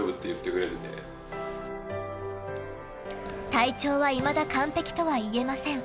体調はいまだ完璧とはいえません。